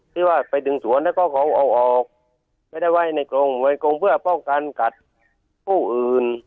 ที่ว่าไปดึงสวนแล้วก็ของเอาออกไม่ได้ไว้ในกรงไว้กรงเพื่อป้องกันกัดผู้อื่น